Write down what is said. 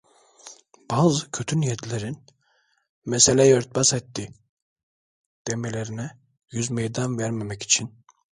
Bazı kötü niyetlilerin: "Meseleyi örtbas etti!" demelerine yüz meydan vermemek için!